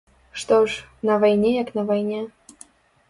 Што ж, на вайне як на вайне.